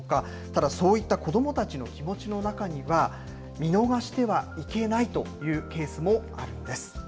ただ、そういった子どもたちの気持ちの中には、見逃してはいけないというケースもあるんです。